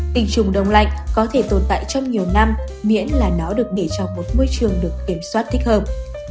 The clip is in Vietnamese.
tình trùng đông lạnh có thể tồn tại trong nhiều năm miễn là nó được để cho một môi trường được kiểm soát thích hợp